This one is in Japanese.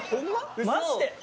マジで？